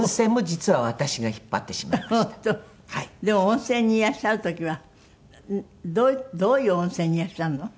でも温泉にいらっしゃる時はどういう温泉にいらっしゃるの？